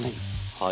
はい。